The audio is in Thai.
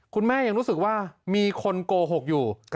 คุณแม่ยังรู้สึกว่ามีคนโกหกอยู่